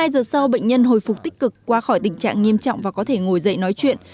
một mươi giờ sau bệnh nhân hồi phục tích cực qua khỏi tình trạng nghiêm trọng và có thể ngồi dậy nói chuyện